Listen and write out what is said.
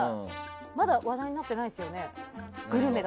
まだ話題になってないですよね